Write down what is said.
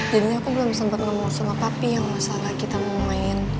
jadinya aku belum sempat ngomong sama papi yang masalah kita mau main